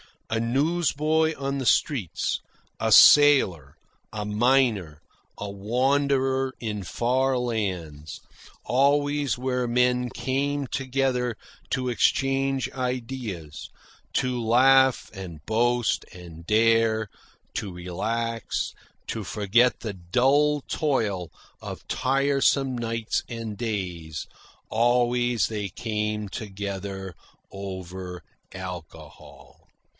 A newsboy on the streets, a sailor, a miner, a wanderer in far lands, always where men came together to exchange ideas, to laugh and boast and dare, to relax, to forget the dull toil of tiresome nights and days, always they came together over alcohol.